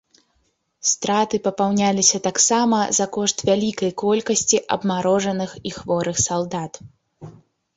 Страты папаўняліся таксама за кошт вялікай колькасці абмарожаных і хворых салдат.